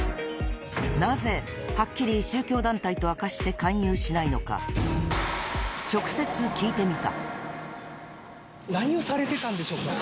なぜはっきり宗教団体と明かして勧誘しないのか、直接聞いてみた。